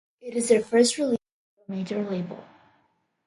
It is their first release through a major label.